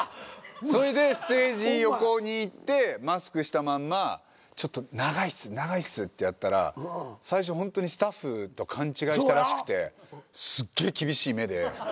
それでステージ横に行ってマスクしたまんま長いっす長いっすってやったら最初ホントにスタッフと勘違いしたらしくてすっげえ厳しい目で。